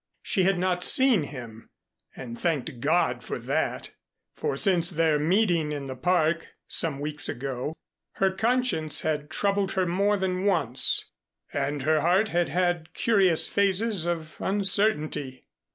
She had not seen him, and thanked God for that; for since their meeting in the Park, some weeks ago, her conscience had troubled her more than once, and her heart had had curious phases of uncertainty.